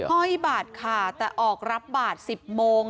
ห้อยบัตรค่ะแต่ออกรับบาท๑๐โมง